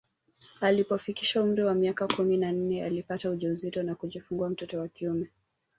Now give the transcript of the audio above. Alipofikisha umri wa miaka kumi na nne alipata ujauzito na kujifungua mtoto wa kiume